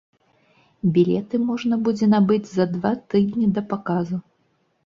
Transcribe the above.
Білеты можна будзе набыць за два тыдні да паказу.